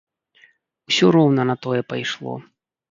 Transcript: Усё роўна на тое пайшло.